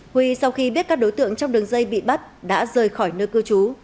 huy sau khi biết các đối tượng trong đường dây bị bắt đã rời khỏi nơi cư trú